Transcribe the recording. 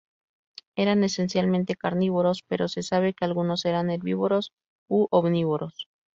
Eran esencialmente carnívoros, pero se sabe que algunos eran herbívoros u omnívoros.